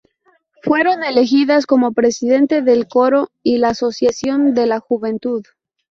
Fueron elegidas como presidente del coro y la asociación de la juventud.